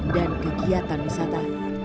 dan kegiatan wisata